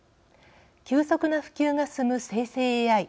急速な普及が進む生成ＡＩ。